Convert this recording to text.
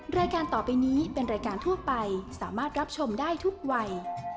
รายการต่อไปนี้เป็นรายการทั่วไปสามารถรับชมได้ทุกวัย